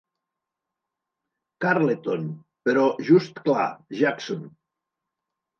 Carleton, però just clar Jackson.